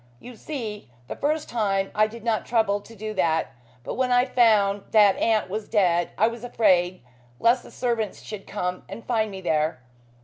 You see, the first time I did not trouble to do that, but when I found that aunt was dead I was afraid lest the servants should come and find me there.